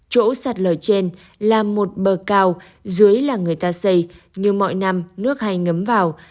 chỗ sặt lời trên là một bờ cao dưới là người ta xây nhưng mọi năm nước hay ngấm vào